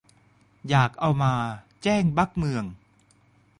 อยากเอามาแจ้งบั๊กเมือง